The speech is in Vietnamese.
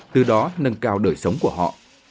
từ đó nâng cao đời sống của họ